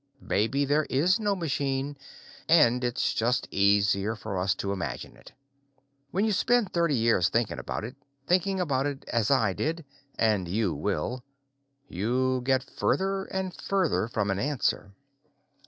Maybe there is no machine, and it's just easier for us to imagine it. When you spend thirty years thinking about it, as I did and you will you get further and further from an answer.